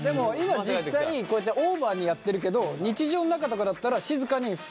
今実際こうやってオーバーにやってるけど日常の中とかだったら静かに。